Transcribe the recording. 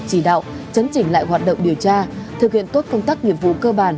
chỉ đạo chấn chỉnh lại hoạt động điều tra thực hiện tốt công tác nghiệp vụ cơ bản